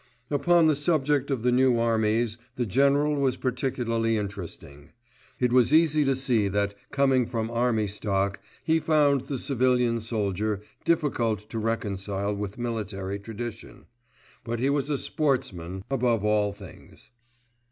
Upon the subject of the new armies the General was particularly interesting. It was easy to see that, coming from army stock, he found the civilian soldier difficult to reconcile with military tradition; but he was a sportsman above all things.